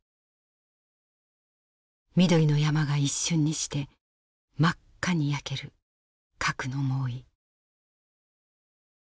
緑の山が一瞬にして真っ赤に焼ける核の猛威。